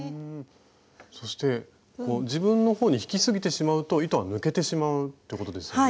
そして自分のほうに引きすぎてしまうと糸が抜けてしまうってことですよね？